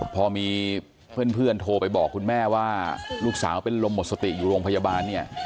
พอมีเพื่อนโทรไปบอกคุณแม่ว่าลูกสาวเป็นลมหมดสติอยู่โรงพยาบาลเนี่ย